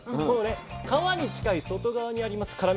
この皮に近い外側にあります